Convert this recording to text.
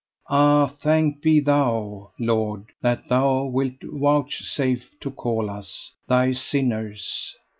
Ah, thanked be Thou, Lord, that Thou wilt vouchsafe to call us, Thy sinners.